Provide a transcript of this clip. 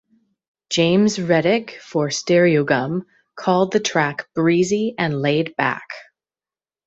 James Rettig for "Stereogum" called the track "breezy and laidback".